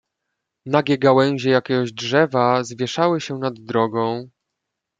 "Nagie gałęzie jakiegoś drzewa zwieszały się nad drogą."